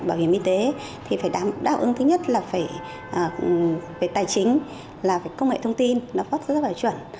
bảo hiểm y tế thì phải đáp ứng thứ nhất là về tài chính là về công nghệ thông tin nó phát rất là chuẩn